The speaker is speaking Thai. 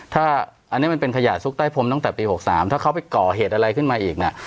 ถ้าอันนี้มันเป็นขยะซุกใต้พรมตั้งแต่ปี๖๓ถ้าเขาไปก่อเหตุอะไรขึ้นมาอีกเนี่ย